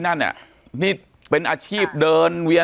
ปากกับภาคภูมิ